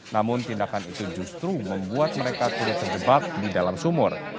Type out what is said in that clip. namun tindakan itu justru membuat mereka turut terjebak di dalam sumur